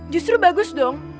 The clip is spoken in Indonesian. justru bagus dong